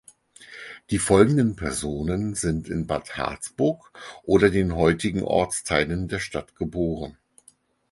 Die folgenden Personen sind in Bad Harzburg oder den heutigen Ortsteilen der Stadt geboren.